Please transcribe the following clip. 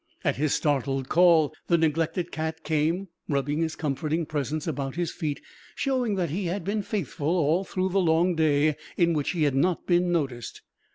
At his startled call the neglected cat came rubbing his comforting presence about his feet, showing that he had been faithful all through the long day in which he had not been noticed.